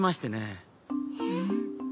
えっ？